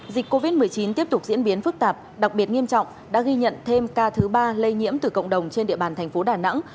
dịch covid một mươi chín tiếp tục diễn biến phức tạp đặc biệt nghiêm trọng đã ghi nhận thêm ca thứ ba lây nhiễm từ cộng đồng trên địa bàn thành phố đà nẵng